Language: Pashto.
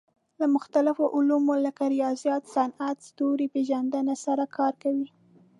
له مختلفو علومو لکه ریاضیات، صنعت، ستوري پېژندنه سره کار کوي.